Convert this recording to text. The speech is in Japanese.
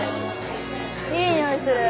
いい匂いする。